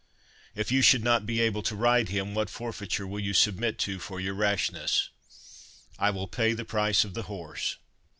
"' If you should not be able to ride him, what for feiture will you submit to for your rashness?' "' I will pay the price of the horse.'